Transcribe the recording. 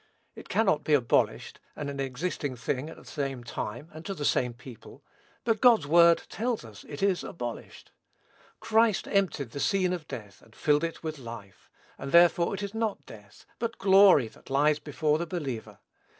It cannot be an abolished and an existing thing at the same time and to the same people; but God's word tells us it is abolished. Christ emptied the scene of death, and filled it with life; and, therefore, it is not death, but glory that lies before the believer.